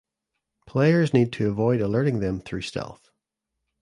Players need to avoid alerting them through stealth.